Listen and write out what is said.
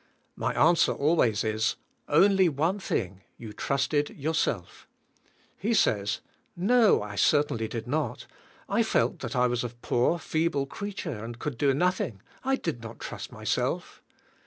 My answer always is, '*Only one thing, you trusted yourself." He says, "No, I certainly did not. I felt that I was a poor feeble creature and could do nothing. I did not trust myself."